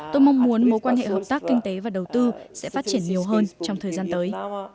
tôi mong muốn mối quan hệ hợp tác kinh tế và đầu tư sẽ phát triển nhiều hơn trong thời gian tới